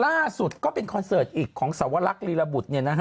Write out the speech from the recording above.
ล่าสุดก็เป็นคอนเสิร์ตอีกของสวรรคลีระบุตร